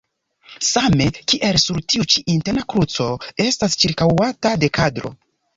Same kiel sur tiu ĉi interna kruco estas ĉirkaŭata de kadro.